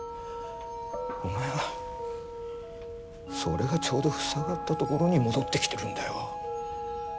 お前はそれがちょうど塞がったところに戻ってきてるんだよ。